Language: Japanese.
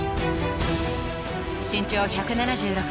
［身長１７６ｃｍ］